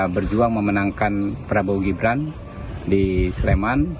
berjuang memenangkan prabowo gibran di sleman